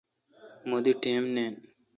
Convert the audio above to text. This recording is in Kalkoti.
مہ دی ٹئم نین۔